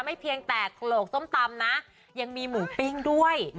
เพียงแต่โขลกส้มตำนะยังมีหมูปิ้งด้วย